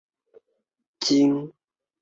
麦珠子为鼠李科麦珠子属下的一个种。